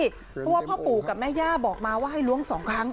เพราะว่าพ่อปู่กับแม่ย่าบอกมาว่าให้ล้วง๒ครั้ง